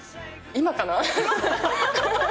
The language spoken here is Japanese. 今かな。